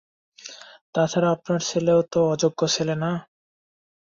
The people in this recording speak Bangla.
তা ছাড়া আপনার ছেলেও তো অযোগ্য ছেলে না।